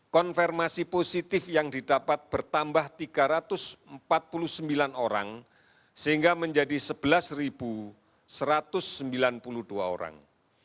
konfirmasi positif yang didapat bertambah tiga ratus empat puluh sembilan orang sehingga menjadi sebelas satu ratus sembilan puluh dua orang